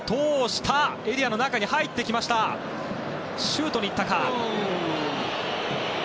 シュートにいったか。